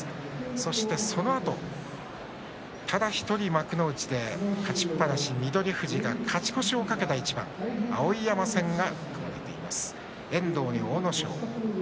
そして、そのあとただ１人幕内で勝ちっぱなしの翠富士が勝ち越しを懸けた一番碧山戦が組まれています。